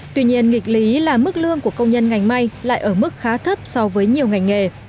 tuy nhiên nghịch lý là mức lương của công nhân ngành may lại ở mức khá thấp so với nhiều ngành nghề